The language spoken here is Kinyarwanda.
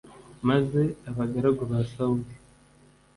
Maze abagaragu ba Sawuli